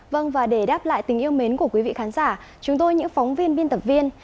vâng và để đáp lại tình yêu mến của quý vị khán giả chúng tôi những phóng viên biên tập viên